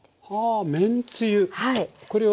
あめんつゆ。